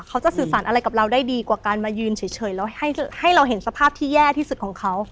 เขาจะสื่อสารอะไรกับเราได้ดีกว่าการมายืนเฉยแล้วให้เราเห็นสภาพที่แย่ที่สุดของเขา